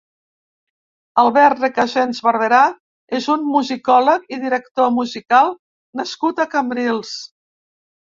Albert Recasens Barberá és un musicòleg i director musical nascut a Cambrils.